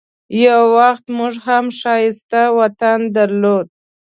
یو وخت موږ هم ښایسته وطن درلود.